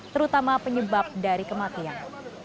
terutama penyebab dari kematian